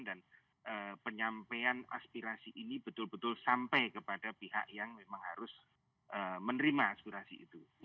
penyampaian aspirasi ini betul betul sampai kepada pihak yang memang harus menerima aspirasi itu